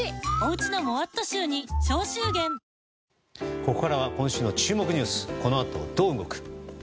ここからは今週の注目ニュースこの後どう動く？